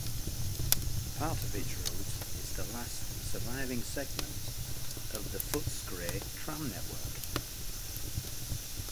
Part of its route is the last surviving segment of the Footscray tram network.